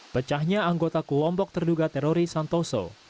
pecahnya anggota kelompok terduga teroris santoso